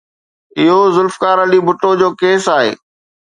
اهو ذوالفقار علي ڀٽو جو ڪيس آهي.